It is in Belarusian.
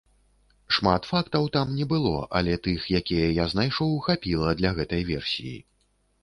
Шмат фактаў там не было, але тых, якія я знайшоў, хапіла для гэтай версіі.